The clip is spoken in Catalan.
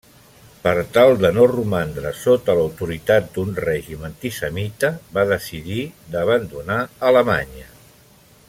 Per tal de no romandre sota l'autoritat d'un règim antisemita, va decidir d'abandonar Alemanya.